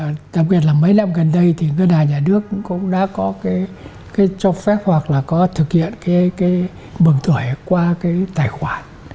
và đặc biệt là mấy năm gần đây thì ngân hàng nhà nước cũng đã có cái cho phép hoặc là có thực hiện cái mừng tuổi qua cái tài khoản